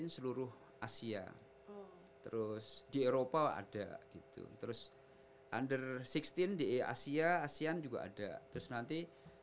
seluruh asia terus di eropa ada gitu terus under enam belas di asia asean juga ada terus nanti